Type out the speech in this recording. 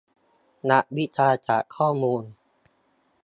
นักวิทยาศาสตร์ข้อมูล